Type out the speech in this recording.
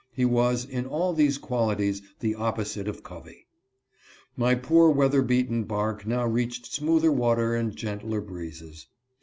He was, in all these qualities, the opposite of Covey. My poor weather beaten bark now reached smoother water and gentler breezes.